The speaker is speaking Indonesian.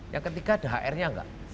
yang ketiga ada hr nya enggak